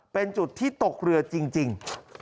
เป็นจุดที่ตกเรือจริง